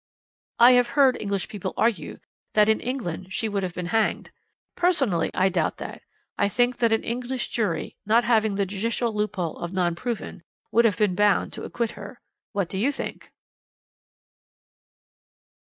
"I have heard English people argue that in England she would have been hanged. Personally I doubt that. I think that an English jury, not having the judicial loophole of 'Non Proven,' would have been bound to acquit her. What do you think?"